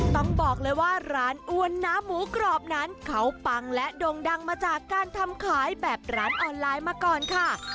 ต้องบอกเลยว่าร้านอ้วนน้ำหมูกรอบนั้นเขาปังและด่งดังมาจากการทำขายแบบร้านออนไลน์มาก่อนค่ะ